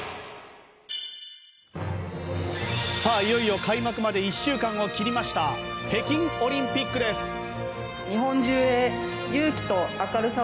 いよいよ開幕まで１週間を切りました北京オリンピックです。